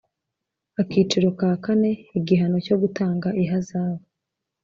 Akiciro ka kane Igihano cyo gutanga ihazabu